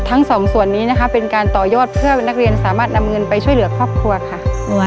ทั้งสองส่วนนี้นะคะเป็นการต่อยอดเพื่อนักเรียนสามารถนำเงินไปช่วยเหลือครอบครัวค่ะ